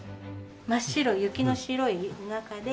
真っ白雪の白い中で。